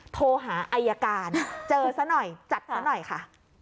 โทรหาอายการเจอซะหน่อยจัดซะหน่อยค่ะ